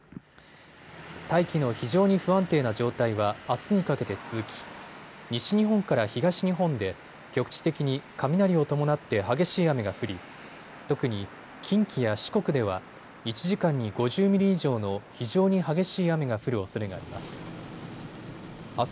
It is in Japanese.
大気の非常に不安定な状態はあすにかけて続き西日本から東日本で局地的に雷を伴って激しい雨が降り、特に近畿や四国では１時間に５０ミリ以上の非常に激しい雨が降るおそれがあります。